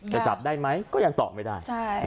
จะจับได้ไหมก็ยังตอบไม่ได้